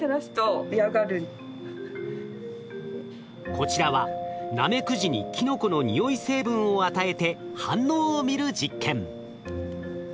こちらはナメクジにキノコの匂い成分を与えて反応を見る実験。